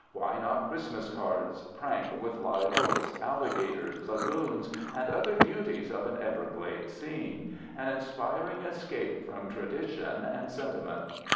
Why not Christmas cards pranked with live oaks, alligators, lagoons, and other beauties of an Everglade scene—an inspiring escape from tradition and sentiment?